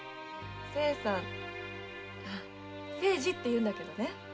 清さん「清次」っていうんだけどね